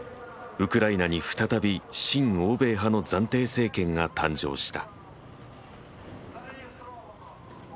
ウクライナに再び親欧米派の暫定政権が誕生した。